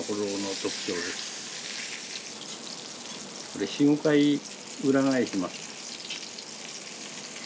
これ４５回裏返します。